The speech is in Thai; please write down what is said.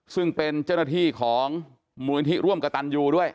ซึ่งเป็นเจ้าหน้าที่ของมูลนิธิร่วมกระตันยูด้วย